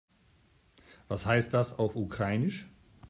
Was heißt das auf Ukrainisch?